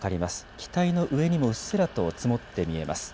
機体の上にもうっすらと積もって見えます。